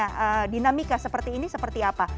nah dinamika seperti ini seperti apa